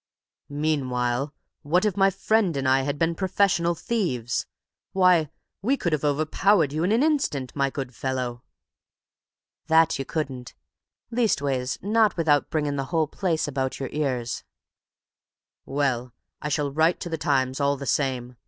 "Meanwhile, what if my friend and I had been professional thieves? Why, we could have over powered you in an instant, my good fellow!" "That you couldn't; leastways, not without bringing the whole place about your ears." "Well, I shall write to the Times, all the same.